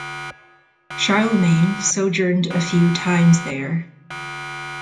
Charlemagne sojourned a few times there.